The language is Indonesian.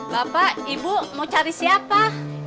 bapak ibu mau cari siapa